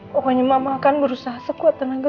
pokoknya mama kan berusaha sekuat tenaga